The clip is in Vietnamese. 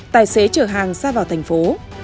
tài xế chở hàng ra vào thành phố